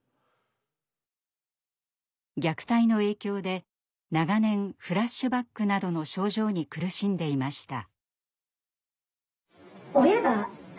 虐待の影響で長年フラッシュバックなどの症状に苦しんでいました。